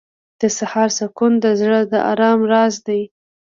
• د سهار سکون د زړه د آرام راز دی.